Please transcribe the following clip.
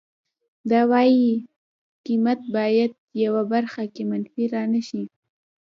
د وای قیمت باید په یوه برخه کې منفي را نشي